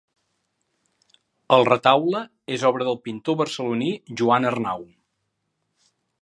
El retaule és obra del pintor barceloní Joan Arnau.